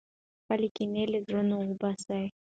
خپلې کینې له زړونو وباسئ.